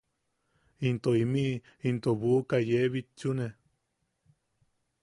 Into imiʼi into buʼuka yee bitchune.